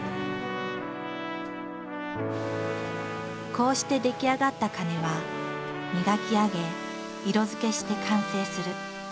こうして出来上がった鐘は磨き上げ色づけして完成する。